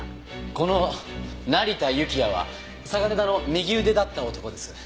この成田幸也は嵯峨根田の右腕だった男です。